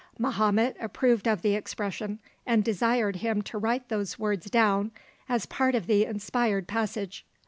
Mahomet approved of the expression, and desired him to write those words down as part of the inspired passage.